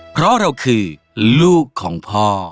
เพราะเราคือลูกของพ่อ